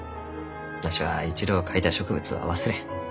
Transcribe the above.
わしは一度描いた植物は忘れん。